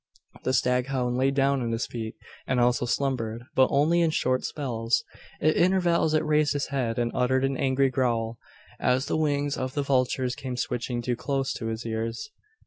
The staghound lay down at his feet, and also slumbered; but only in short spells. At intervals it raised its head, and uttered an angry growl, as the wings of the vultures came switching too close to its ears.